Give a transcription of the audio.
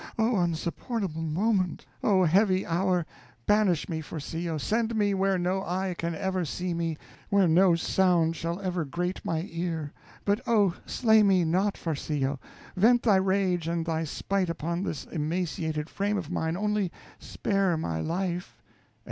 Oh, unsupportable moment! Oh, heavy hour! Banish me, Farcillo send me where no eye can ever see me, where no sound shall ever great my ear; but, oh, slay me not, Farcillo; vent thy rage and thy spite upon this emaciated frame of mine, only spare my life.